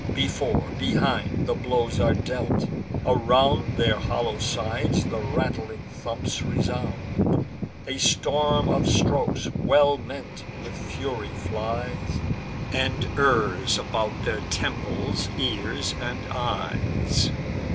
Before, behind, the blows are dealt; around Their hollow sides the rattling thumps resound. A storm of strokes, well meant, with fury flies, And errs about their temples, ears, and eyes.